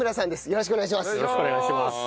よろしくお願いします。